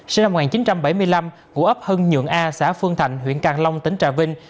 sinh năm một nghìn chín trăm bảy mươi năm ngụ ấp hưng nhượng a xã phương thạnh huyện càng long tỉnh trà vinh